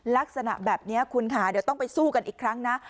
ลักษณะแบบนี้คุณค่ะเดี๋ยวต้องไปสู้กันอีกครั้งนะ